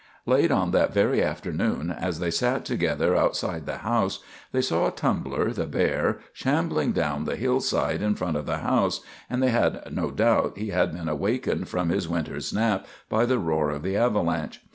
Late on that very afternoon, as they sat together outside the house, they saw Tumbler, the bear, shambling down the hillside in front of the house, and they had no doubt he had been awakened from his winter's nap by the roar of the avalanche.